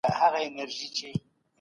زیار صاحب ویل چي څېړنه پوهه غواړي.